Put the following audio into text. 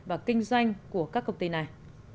và kinh doanh của các công ty này